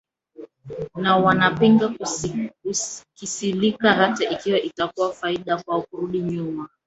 na wanapinga kisilika hata ikiwa itakuwa faida kwao kurudi nyuma